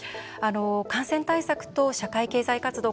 感染対策と社会経済活動